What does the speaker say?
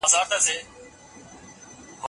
اوغان" یا "اوغو" چي اوستایي بڼه یې "اوه" ده،